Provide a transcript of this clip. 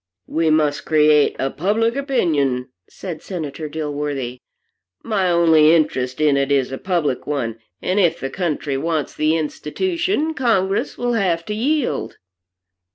"We must create a public opinion," said Senator Dilworthy. "My only interest in it is a public one, and if the country wants the institution, Congress will have to yield."